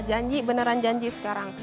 janji beneran janji sekarang